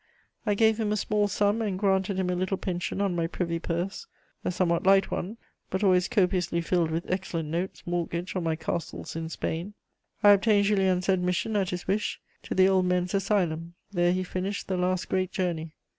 I gave him a small sum, and granted him a little pension on my privy purse, a somewhat light one, but always copiously filled with excellent notes mortgaged on my castles in Spain. I obtained Julien's admission, at his wish, to the Old Men's asylum: there he finished the last great journey.